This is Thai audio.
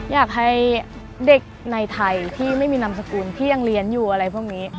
อยากให้เด็กในไทยที่ไม่มีนามสกุลที่ยังเรียนอยู่อะไรพวกนี้